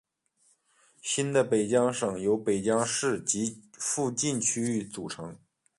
新的北江省由北江市及其附近区域组成。